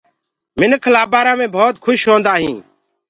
منک لآبآرآ مي ڀوت کوُش هوندآ هينٚ۔